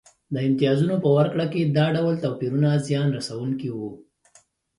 د امتیازونو په ورکړه کې دا ډول توپیرونه زیان رسونکي وو